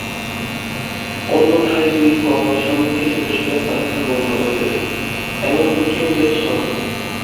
অন্যথায় দুই সমিতির সদস্যরা কারখানা বন্ধ করে দেবেন—এমন হুমকিও দেন সভাপতি।